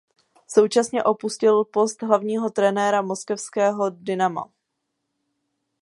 Současně opustil post hlavního trenéra moskevského Dynama.